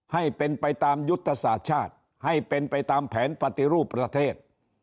ให้เป็นไปตามยุทธศาสตร์ชาติให้เป็นไปตามแผนปฏิรูปประเทศ